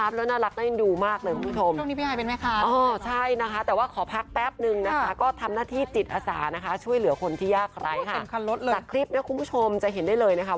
อั๊ะมาต่อกันอีกคนหนึ่งคุณผู้ชมนะคะ